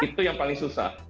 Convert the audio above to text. itu yang paling susah